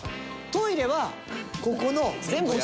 トイレはここに。